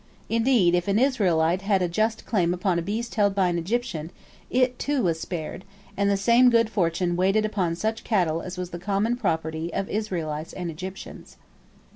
Indeed, if an Israelite had a just claim upon a beast held by an Egyptian, it, too, was spared, and the same good fortune waited upon such cattle as was the common property of Israelites and Egyptians.